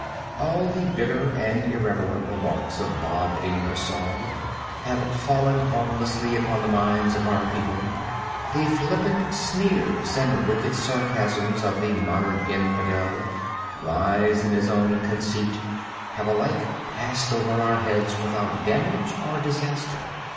All the bitter and irreverent remarks of Bob Ingersoll have fallen harmlessly upon the minds of our people. The flippant sneers and wicked sarcasms of the modern infidel, wise in his own conceit, have alike passed over our heads without damage or disaster.